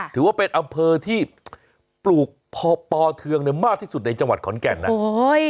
ถือว่าเป็นอำเภอที่ปลูกปอเทืองมากที่สุดในจังหวัดขอนแก่นนะ